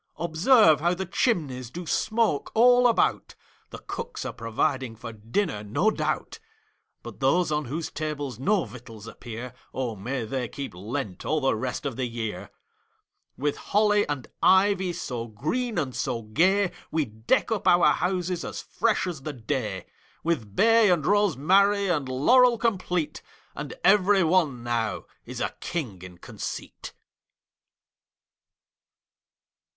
Observe how the chimneys Do smoke all about; The cooks are providing For dinner, no doubt; But those on whose tables No victuals appear, O may they keep Lent All the rest of the year. With holly and ivy So green and so gay, We deck up our houses As fresh as the day; With bay and rosemary And laurel complete; And every one now Is a king in conceit.